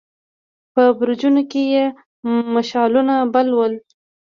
په برجونو کې يې مشعلونه بل ول.